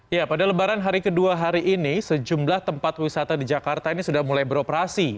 ya pada lebaran hari kedua hari ini sejumlah tempat wisata di jakarta ini sudah mulai beroperasi